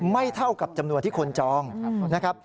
เท่ากับจำนวนที่คนจองนะครับ